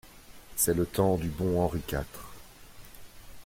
C'est le temps du bon Henri quatre.